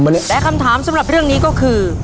และคำถามสำหรับเรื่องนี้ก็คือ